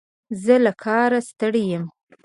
زه له کاره ستړی یم.